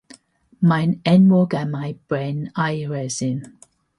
Mae'n enwog am ei bren a'i resin.